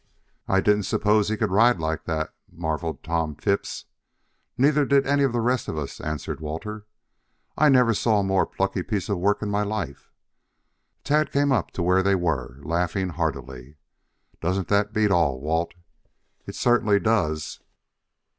"I didn't suppose he could ride like that," marveled Tom Phipps. "Neither did any of the rest of us," answered Walter. "I never saw a more plucky piece of work in my life." Tad came up to where they were, laughing heartily. "Doesn't that beat all, Walt?" "It certainly does."